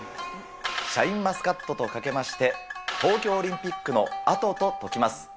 シャインマスカットとかけまして、東京オリンピックのあととときます。